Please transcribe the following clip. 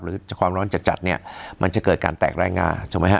หรือความร้อนจัดจัดเนี่ยมันจะเกิดการแตกแรงงาถูกไหมฮะ